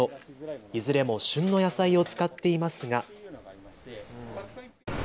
いずれも旬の野菜を使っていますが。